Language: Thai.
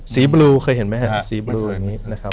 บลูเคยเห็นไหมครับสีบลูอย่างนี้นะครับ